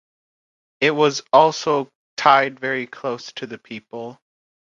It was also tied very close to the people.